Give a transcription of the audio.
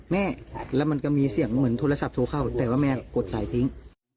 เหมือนโทรศัพท์โทรเข้าแต่ว่าแม่กดสายทิ้ง